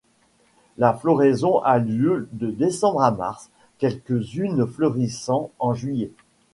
La floraison a lieu de décembre à mars, quelques-unes fleurissant en juillet.